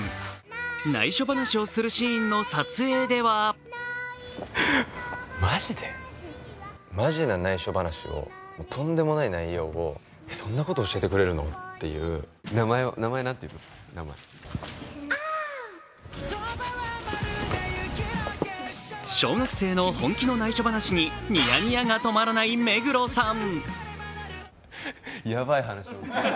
ないしょ話をするシーンの撮影では小学生の本気のないしょ話にニヤニヤが止まらない目黒さん。